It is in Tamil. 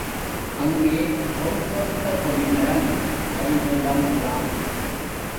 அங்கே பொன் போர்த்த கொடி மரம், பலிபீடம் எல்லாம்.